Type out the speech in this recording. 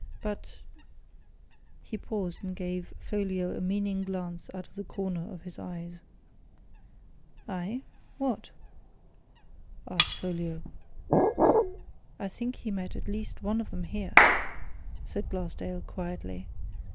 But " He paused and gave Folliot a meaning glance out of the corner of his eyes. "Aye what?" asked Folliot. "I think he met at least one of 'em here," said Glassdale, quietly.